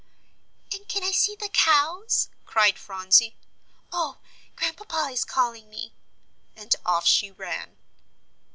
"And can I see the cows?" cried Phronsie. "Oh, Grandpapa is calling me," and off she ran.